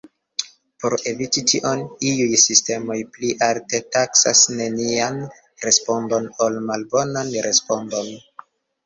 Por eviti tion, iuj sistemoj pli alte taksas nenian respondon ol malbonan respondon.